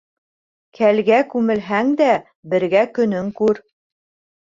Кәлгә күмелһәң дә, бергә көнөң күр.